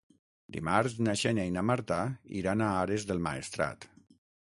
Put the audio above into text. Dimarts na Xènia i na Marta iran a Ares del Maestrat.